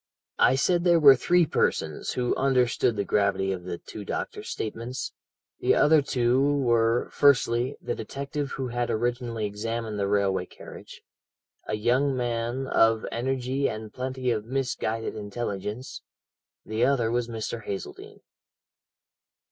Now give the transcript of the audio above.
"I said there were three persons who understood the gravity of the two doctors' statements the other two were, firstly, the detective who had originally examined the railway carriage, a young man of energy and plenty of misguided intelligence, the other was Mr. Hazeldene.